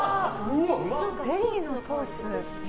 ゼリーのソース。